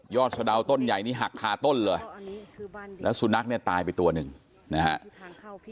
สะดาวต้นใหญ่นี้หักคาต้นเลยแล้วสุนัขเนี่ยตายไปตัวหนึ่งนะฮะ